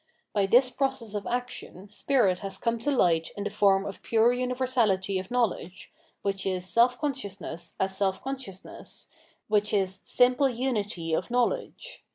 By this process of action spirit has come to hght in the form of pure universahty of knowledge, which is self consciousness as self con sciousness, which is simple unity of knowledge.